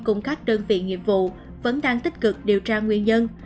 cùng các đơn vị nghiệp vụ vẫn đang tích cực điều tra nguyên nhân